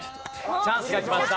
チャンスがきました。